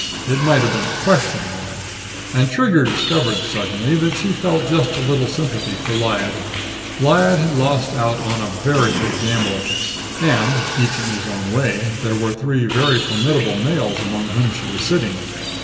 It might have been a questioning one. And Trigger discovered suddenly that she felt just a little sympathy for Lyad. Lyad had lost out on a very big gamble. And, each in his own way, there were three very formidable males among whom she was sitting.